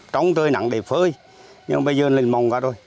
trong trời nặng để phơi nhưng bây giờ lên mông ra rồi